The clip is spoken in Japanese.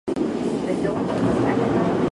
なんぜ？